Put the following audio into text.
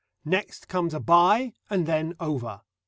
Next comes a bye, and then over.